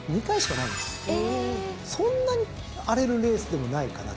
そんなに荒れるレースでもないかなと。